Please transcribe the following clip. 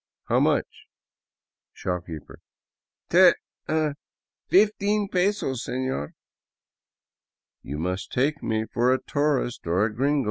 " How much ?" Shopkeeper :* Te — Fifteen pesos, seiior." " You must take me for a tourist, or a gringo.